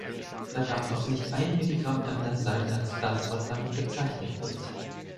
Da darf auch nicht ein Milligramm anders sein als das, was damit bezeichnet wird.